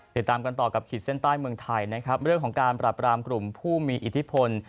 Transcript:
ติดตามกันต่อกับขีดเส้นใต้เมืองไทยนะครับเรื่องของการปรับรามกลุ่มผู้มีอิทธิพล